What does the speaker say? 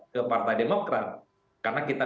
ke partai demokrat karena kita